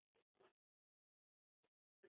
Eszena margolariaren etxeko patioan kokatzen da.